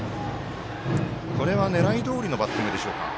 これは狙いどおりのバッティングでしょうか？